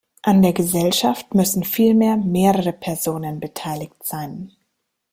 An der Gesellschaft müssen vielmehr mehrere Personen beteiligt sein.